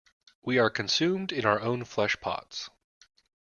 We are consumed in our own flesh-pots.